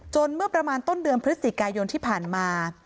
เมื่อประมาณต้นเดือนพฤศจิกายนที่ผ่านมา